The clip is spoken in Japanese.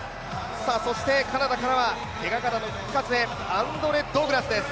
そしてカナダからはけがからの復活、アンドレ・ドグラスです。